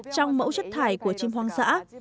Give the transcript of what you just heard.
trong mẫu chất thải của chim hoang dã